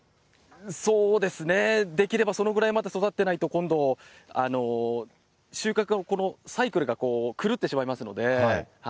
そうですね、できればそのぐらいまで育ってないと、今度、収穫が、サイクルが狂ってしまいますので。